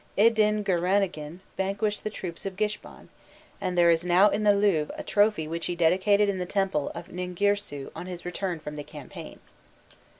Idingiranagin vanquished the troops of Gishban, and there is now in the Louvre a trophy which he dedicated in the temple of Ninglrsu on his return from the campaign.